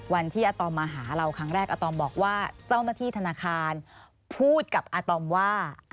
วันที่อาตอมมาหาเราครั้งแรกอาตอมบอกว่าเจ้าหน้าที่ธนาคารพูดกับอาตอมว่า